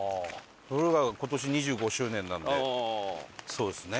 僕らが今年２５周年なんでそうですね。